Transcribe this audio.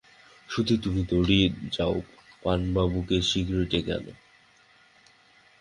সুধীর, তুমি দৌড়ে যাও, পানুবাবুকে শীঘ্র ডেকে আনো।